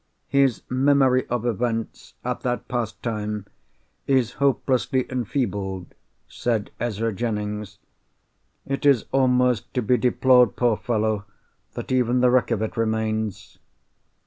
"His memory of events, at that past time, is hopelessly enfeebled," said Ezra Jennings. "It is almost to be deplored, poor fellow, that even the wreck of it remains.